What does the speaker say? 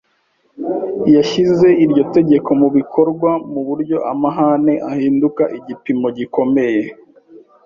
Yashyize iryo tegeko mu bikorwa mu buryo amahame ahinduka igipimo gikomeye